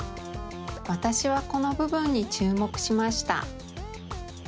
わたしはこのぶぶんにちゅうもくしました。